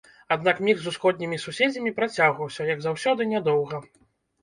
Аднак мір з усходнімі суседзямі працягваўся, як заўсёды, нядоўга.